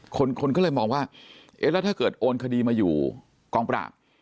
คนคนก็เลยมองว่าเอ๊ะแล้วถ้าเกิดโอนคดีมาอยู่กองปราบ